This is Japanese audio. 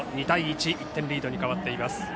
２対１１点リードに変わっています。